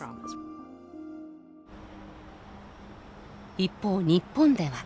一方日本では。